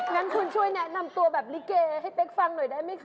งั้นคุณช่วยแนะนำตัวแบบลิเกให้เป๊กฟังหน่อยได้ไหมคะ